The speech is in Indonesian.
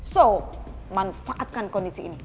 so manfaatkan kondisi ini